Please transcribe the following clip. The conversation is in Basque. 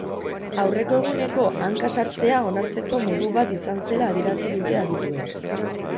Aurreko eguneko hanka sartzea onartzeko modu bat izan zela adierazi dute adituek.